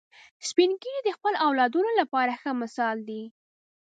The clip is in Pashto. سپین ږیری د خپلو اولادونو لپاره ښه مثال دي